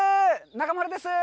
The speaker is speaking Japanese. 中丸です。